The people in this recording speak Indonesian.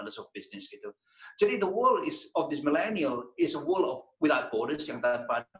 dalam bisnis jadi dunia milenial ini adalah dunia tanpa batasan yang tanpa limit